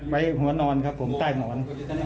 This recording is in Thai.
ไว้หัวนอนครับผมใต้หมอน